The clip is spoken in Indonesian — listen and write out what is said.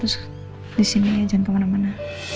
terus disini aja jangan kemana mana